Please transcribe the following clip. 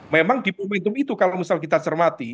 memang di momentum itu kalau misal kita cermati